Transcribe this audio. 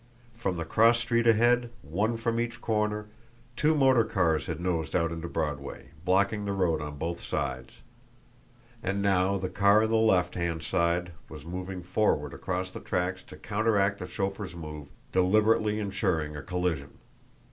From the cross street ahead, one from each corner, two motor cars had nosed out into Broadway, blocking the road on both sides. And now the car on the left hand side was moving forward across the tracks to counteract the chauffeur's move, deliberately insuring a collision.